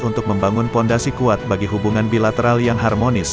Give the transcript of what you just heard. untuk membangun fondasi kuat bagi hubungan bilateral yang harmonis